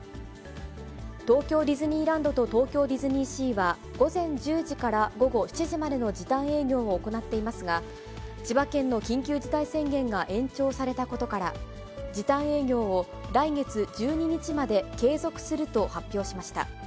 東京ディズニーランドと東京ディズニーシーは、午前１０時から午後７時までの時短営業を行っていますが、千葉県の緊急事態宣言が延長されたことから、時短営業を来月１２日まで継続すると発表しました。